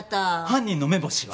犯人の目星は？